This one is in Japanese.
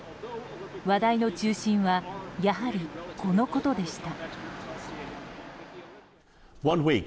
話題の中心はやはり、このことでした。